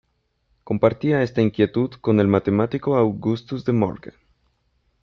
Compartía esta inquietud con el matemático Augustus De Morgan.